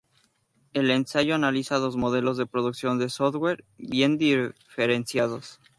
El ensayo analiza dos modelos de producción de software bien diferenciados.